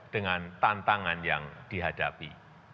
dengan tantangan yang dihadapi